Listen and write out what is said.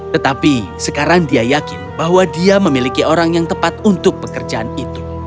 tetapi sekarang dia yakin bahwa dia memiliki orang yang tepat untuk pekerjaan itu